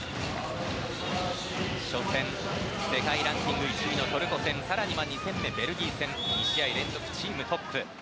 初戦世界ランキング１位のトルコ戦更には２戦目、ベルギー戦と続けてチームトップ。